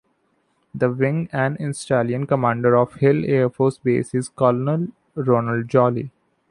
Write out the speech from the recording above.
The Wing and Installation Commander of Hill Air Force Base is Colonel Ronald Jolly.